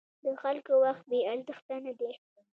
د خلکو وخت بې ارزښته نه دی.